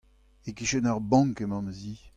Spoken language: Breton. E-kichen ar bank emañ ma zi.